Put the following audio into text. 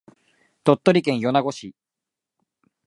鳥取県米子市